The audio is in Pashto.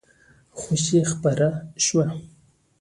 خوښي خپره شوه.